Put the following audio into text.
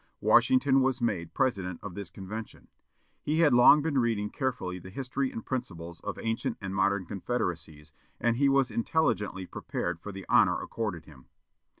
Washington was made President of this convention. He had long been reading carefully the history and principles of ancient and modern confederacies, and he was intelligently prepared for the honor accorded him.